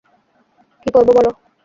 কি করবো বল?